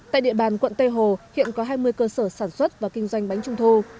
tại địa bàn quận tây hồ hiện có hai mươi cơ sở sản xuất và kinh doanh bánh trung thu